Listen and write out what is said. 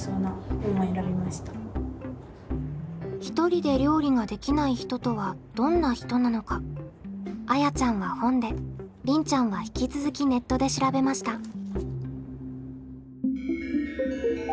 ひとりで料理ができない人とはどんな人なのかあやちゃんは本でりんちゃんは引き続きネットで調べました。